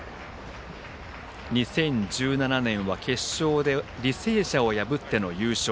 ２０１７年は決勝で履正社を破っての優勝。